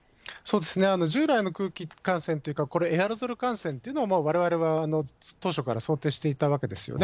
従来の空気感染というか、これ、エアロゾル感染というのは、われわれは当初から想定していたわけですよね。